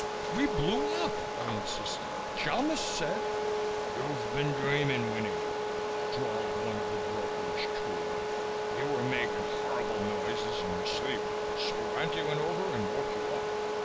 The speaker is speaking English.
"We blew up!" I insisted. "Chalmis said...." "You've been dreaming, Winnie," drawled one of the brokerish trio. "You were making horrible noises in your sleep so Ranty went over and woke you up."